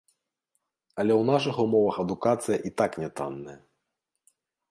Але ў нашых умовах адукацыя і так нятанная.